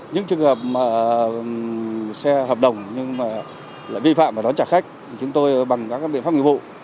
những trường hợp xe hợp đồng nhưng mà lại vi phạm và đón trả khách chúng tôi bằng các biện pháp nghiệp vụ